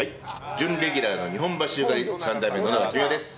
準レギュラーの日本橋ゆかり３代目野永喜三夫です。